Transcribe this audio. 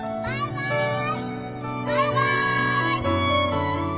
バイバイ。